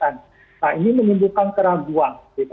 nah ini menunjukkan keraguan